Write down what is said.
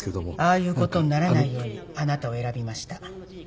ああいうことにならないようにあなたを選びました。